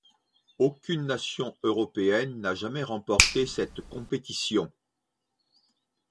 Aucune nation européenne n'a jamais remporté cette compétition.